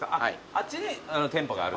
あっちに店舗がある。